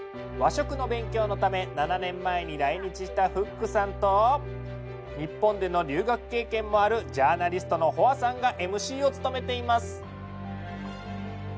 和食の勉強のため７年前に来日したフックさんと日本での留学経験もあるジャーナリストのホアさんがＭＣを務めています。